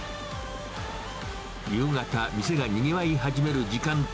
夕方、店がにぎわい始める時間帯。